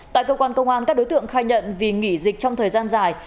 tại cơ quan công an các đối tượng khai nhận vì nghỉ dịch trong thời gian dài